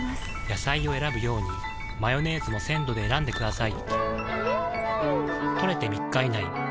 野菜を選ぶようにマヨネーズも鮮度で選んでくださいん！